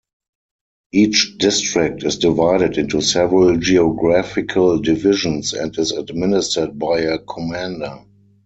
Each district is divided into several geographical divisions, and is administered by a Commander.